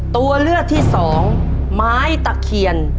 ตัวเลือกที่สองไม้ตะเคียน